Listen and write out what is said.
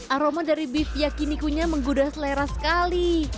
aroma dari beef yakinikunya menggoda selera sekali